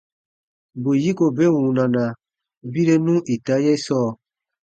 Bù yiko be wunana birenu ita ye sɔɔ.